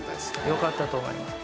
よかったと思います。